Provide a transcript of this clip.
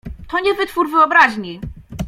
"To nie wytwór wyobraźni!"